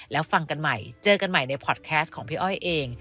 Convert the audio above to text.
แล้วฟังกันใหม่เจอกันใหม่ในพอร์ตแคสต์ของพี่อ้อยเอง